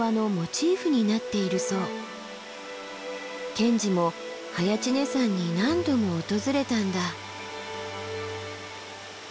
賢治も早池峰山に何度も訪れたんだ。